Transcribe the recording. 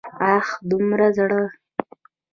اه! دومره زړه!